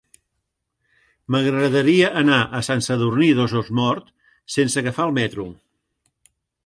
M'agradaria anar a Sant Sadurní d'Osormort sense agafar el metro.